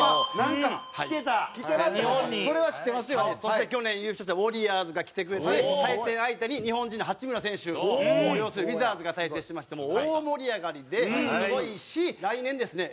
そして去年優勝したウォリアーズが来てくれて対戦相手に日本人の八村選手を擁するウィザーズが対戦しましてもう大盛り上がりですごいし来年ですね